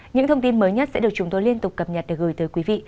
những thông tin mới nhất sẽ được chúng tôi liên tục cập nhật được gửi tới quý vị